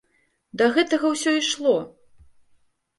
Да гэтага ўсё і ішло!